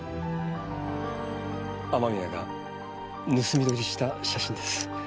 雨宮が盗み撮りした写真です。